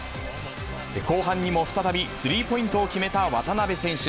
後半にも再び、スリーポイントを決めた渡邊選手。